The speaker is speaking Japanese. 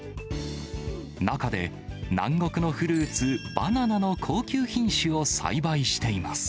中で南国のフルーツ、バナナの高級品種を栽培しています。